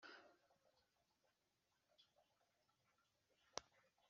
Mpamarugamba rwa Mutijima ni Rutagerura-kuba-ingenzi